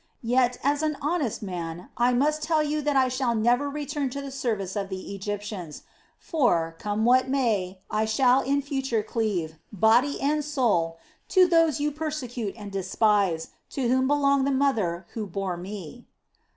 Yet, as an honest man, I must tell you that I shall never return to the service of the Egyptians; for, come what may, I shall in future cleave, body and soul, to those you persecute and despise, and to whom belonged the mother who bore me."